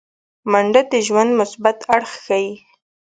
منډه د ژوند مثبت اړخ ښيي